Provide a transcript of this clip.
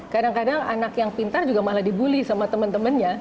kadang kadang anak yang pintar juga malah dibully sama temen temennya